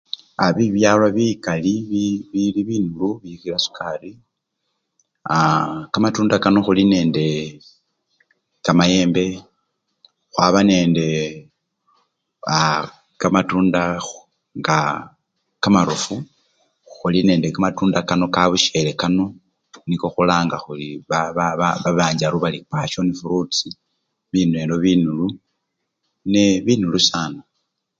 A! bibyalo bikali bi! bili binulu bikhila aa! kamatunda kano khuli nende kamayembe, khwaba nende kamatunda nga kamarofu, khulinende kamatunda kano kabusyele kano niko khulanga khuli ba! baba! babancharu bali pasyoni frutisi byene byo binulu nebinulu sana.